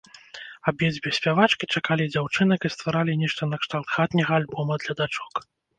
Абедзве спявачкі чакалі дзяўчынак і стваралі нешта накшталт хатняга альбома для дачок.